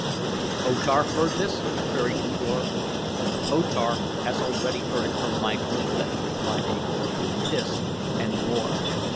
"And O Tar heard this?" queried U Dor. "O Tar has already heard it from my own lips," replied A Kor; "this, and more."